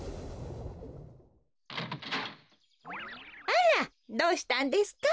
あらどうしたんですか？